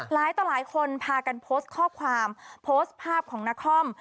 ต่อหลายคนพากันโพสต์ข้อความโพสต์ภาพของนคร